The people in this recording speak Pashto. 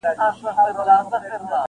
په يوه تاخته يې پى كړله مزلونه-